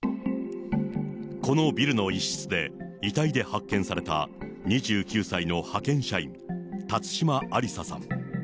このビルの一室で、遺体で発見された２９歳の派遣社員、辰島ありささん。